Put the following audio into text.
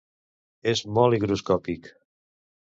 És molt higroscòpic.